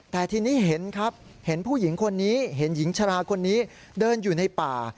แต่ทีนี้เห็นครับเห็นผู้หญิงคนนี้เห็นหญิงชราคนนี้เดินอยู่ในป่า